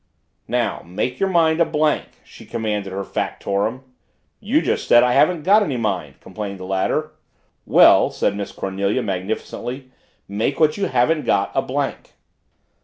"Now make your mind a blank!" she commanded her factotum. "You just said I haven't got any mind," complained the latter. "Well;" said Miss Cornelia magnificently, "make what you haven't got a blank."